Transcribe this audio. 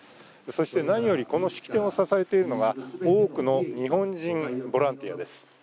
そして、何よりこの式典を支えているのが多くの日本人ボランティアです。